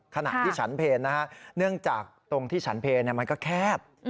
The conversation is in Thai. ขณะที่ฉันเพลนะฮะเนื่องจากตรงที่ฉันเพลมันก็แคบ